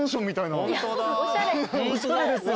おしゃれですよね。